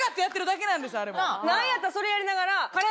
何やったらそれやりながら。